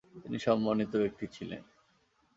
তিনি সম্মানিত ব্যক্তি ছিলেন।